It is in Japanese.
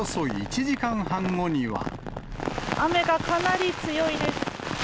雨がかなり強いです。